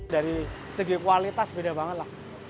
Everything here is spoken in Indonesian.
dari segi kualitas beda banget lah